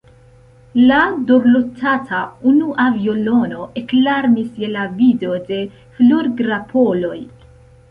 La dorlotata unua violono eklarmis je la vido de florgrapoloj.